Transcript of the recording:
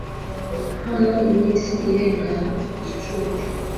Hano iminsi irengana igicucu